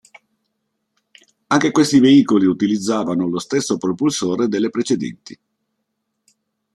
Anche questi veicoli utilizzavano lo stesso propulsore delle precedenti.